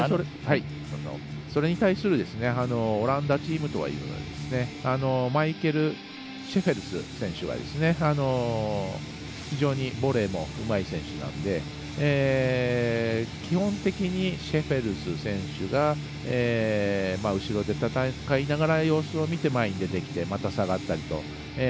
それに対するオランダチームというのはマイケル・シェフェルス選手は非常にボレーもうまい選手なので基本的にシェフェルス選手が後ろで戦いながら様子を見ながら前に出てきてまた下がったりと。